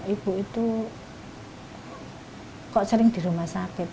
ibu itu kok sering di rumah sakit